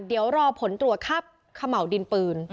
เดี๋ยวรอผลตรวจคาบเขม่าวดินปืน